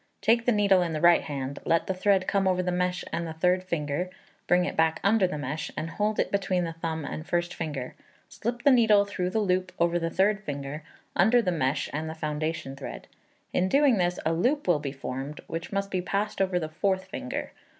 Take the needle in the right hand; let the thread come over the mesh and the third finger, bring it back under the mesh, and hold it between the thumb and first finger. Slip the needle through the loop over the third finger, under the mesh and the foundation thread. In doing this a loop will be formed, which must be passed over the fourth finger.